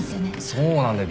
そうなんだ。